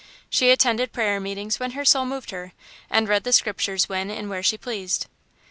She attended prayer meetings when her soul moved her, and read the Scriptures when and where she pleased.